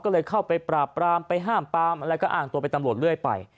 ก็เลยเข้าไปปราบปรามไปห้ามปรามแล้วก็อ้างตัวเป็นตำรวจเรื่อยไป